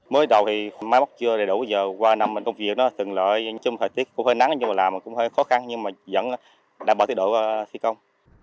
mới đầu thì máy móc chưa đầy đủ qua năm công việc từng lợi trong thời tiết cũng hơi nắng nhưng mà làm cũng hơi khó khăn nhưng mà vẫn đảm bảo thị độ của thi công